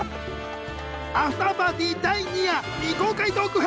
アフターパーティー第２夜未公開トーク編